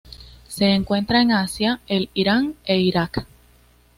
Se encuentran en Asia: el Irán e Irak.